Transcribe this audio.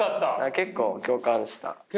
結構共感した？